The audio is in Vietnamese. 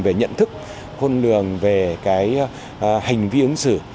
về nhận thức khôn lường về cái hành vi ứng xử